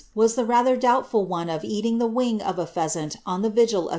25 »irns ^as the rather doubtful one of eating the wing of a pheasant on ihe vigil of S